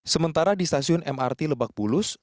sementara di stasiun mrt lebak bulus